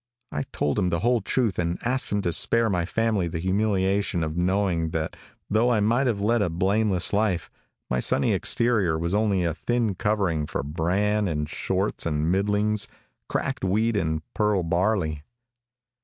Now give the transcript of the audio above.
I told him the whole truth, and asked him to spare my family the humiliation of knowing that though I might have led a blameless life, my sunny exterior was only a thin covering for bran and shorts and middlings, cracked wheat and pearl barley.